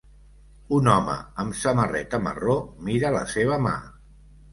Un home amb samarreta marró mira la seva mà.